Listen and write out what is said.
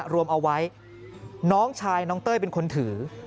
รวมเอาไว้น้องชายน้องเต้ยเป็นคนถือ